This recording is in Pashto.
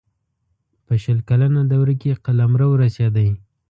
په شل کلنه دوره کې قلمرو رسېدی.